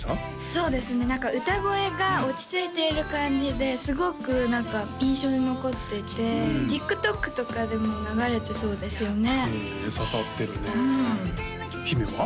そうですね何か歌声が落ち着いている感じですごく何か印象に残っててＴｉｋＴｏｋとかでも流れてそうですよね刺さってるね姫は？